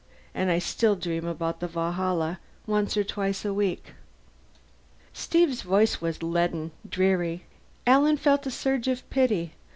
And I still dream about the Valhalla once or twice a week." Steve's voice was leaden, dreary. Alan felt a surge of pity.